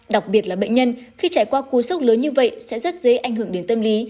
đặc biệt là bệnh nhân khi trải qua cú sốc lớn như vậy sẽ rất dễ ảnh hưởng đến tâm lý